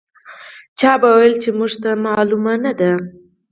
چا به ویل چې موږ ته معلومه نه ده.